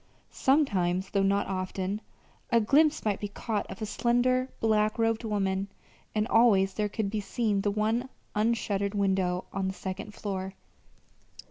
Sometimes, though not often, a glimpse might be caught of a slender, black robed woman, and always there could be seen the one unshuttered window on the second floor.